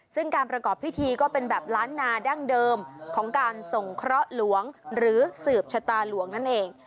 ซึ่งการประกอบพิธีก็เป็นแบบล้านนาดั้งเดิมของการส่งเคราะห์หลวงหรือสืบชะตาหลวงนั่นเอง